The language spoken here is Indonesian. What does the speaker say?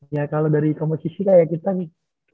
ya kalau dari komposisi kayak kita nih